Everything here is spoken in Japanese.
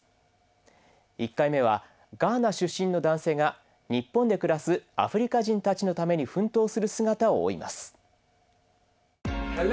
１回目はガーナ出身の男性が日本で暮らすアフリカ人たちのために奮闘する姿を追います。